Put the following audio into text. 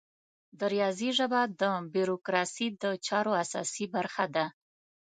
د ریاضي ژبه د بروکراسي د چارو اساسي برخه ده.